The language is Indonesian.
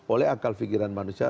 oleh akal pikiran manusia